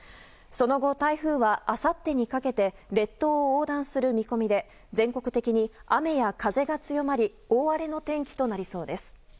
その後、台風はあさってにかけて列島を横断する見込みで全国的に雨や風が強まり大荒れの天気となりそうです。